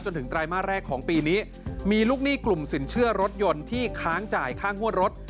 ถึงไตรมาสแรกของปีนี้มีลูกหนี้กลุ่มสินเชื่อรถยนต์ที่ค้างจ่ายค่างวดรถ